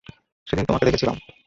সেদিন তোমাকে দেখেছিলাম।